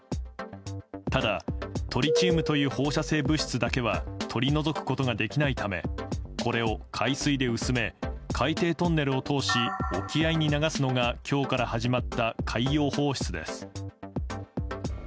ただ、トリチウムという放射性物質だけは取り除くことができないためこれを海水で薄め海底トンネルを通し沖合に流すのが今日から始まった海洋放出です。